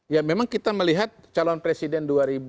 ya memang kita melihat calon presiden dua puluh dua